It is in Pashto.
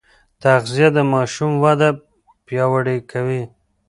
تغذيه د ماشوم وده پیاوړې کوي.